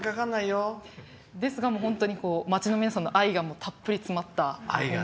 ですが、町の皆さんの愛がたっぷり詰まった。